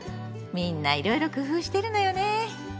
みんないろいろ工夫してるのよね。